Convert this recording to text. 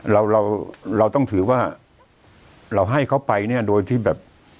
เราเราต้องถือว่าเราให้เขาไปเนี่ยโดยที่แบบ